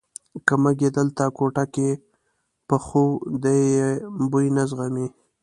که موږ یې دلته کوټه کې پخو دی یې بوی نه زغمي.